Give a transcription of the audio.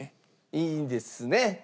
いいですね？